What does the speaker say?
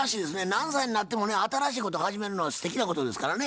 何歳になってもね新しいこと始めるのはすてきなことですからね。